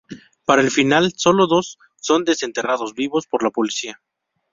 Para el final solo dos son desenterrados vivos por la policía.